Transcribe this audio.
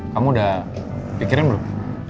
kamu udah pikirin belum